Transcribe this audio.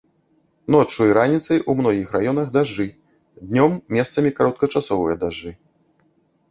Ноччу і раніцай у многіх раёнах дажджы, днём месцамі кароткачасовыя дажджы.